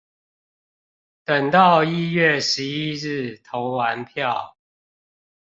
等到一月十一日投完票